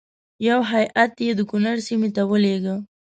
یو هیات یې د کنړ سیمې ته ولېږه.